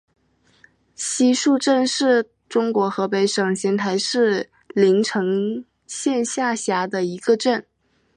西竖镇是中国河北省邢台市临城县下辖的一个镇。